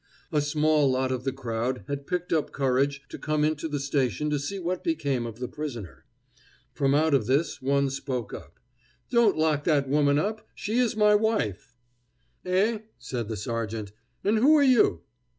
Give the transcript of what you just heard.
A small lot of the crowd had picked up courage to come into the station to see what became of the prisoner. From out of this, one spoke up: "Don't lock that woman up; she is my wife." "Eh," said the sergeant, "and who are you?"